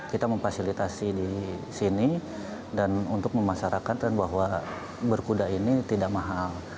kita memfasilitasi di sini dan untuk memasarakan bahwa berkuda ini tidak mahal